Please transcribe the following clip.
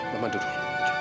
mama duduk dulu